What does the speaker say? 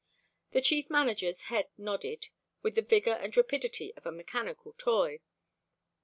The Chief Manager's head nodded with the vigor and rapidity of a mechanical toy.